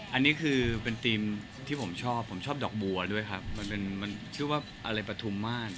อันนี้คือเป็นธีมที่ผมชอบผมชอบดอกบัวด้วยครับมันเป็นมันชื่อว่าอะไรปฐุมมาตร